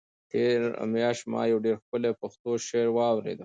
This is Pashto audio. تېره میاشت ما یو ډېر ښکلی پښتو شعر واورېد.